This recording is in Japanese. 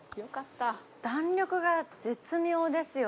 弾力が絶妙ですよね。